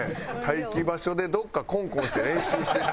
待機場所でどっかコンコンして練習してる。